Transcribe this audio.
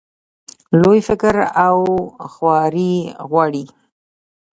لوی فکر او خواري غواړي.